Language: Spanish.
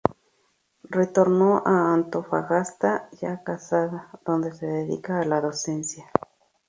Retornó a Antofagasta ya casada, donde se dedica a la docencia.